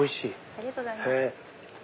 ありがとうございます。